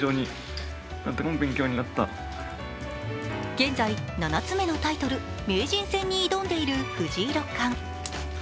現在７つ目のタイトル、名人戦に挑んでいる藤井六冠。